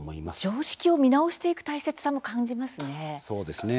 常識を見直していく大切さも感じますね。